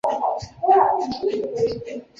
中南树鼠属等之数种哺乳动物。